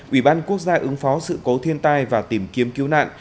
ủy ban quốc gia ứng phó sự cố thiên tai và tìm kiếm cứu nạn